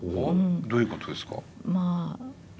どういうことですか？